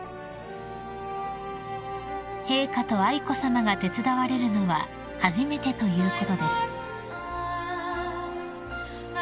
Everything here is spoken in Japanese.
［陛下と愛子さまが手伝われるのは初めてということです］